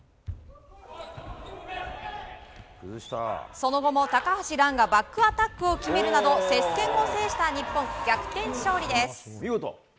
その後も高橋藍がバックアタックを決めるなど接戦を制した日本逆転勝利です！